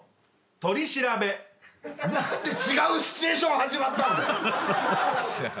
「取り調べ」何で違うシチュエーション始まったんだよ！